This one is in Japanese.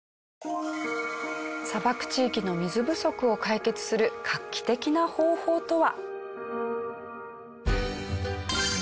砂漠地域の水不足を解決する画期的な方法とは？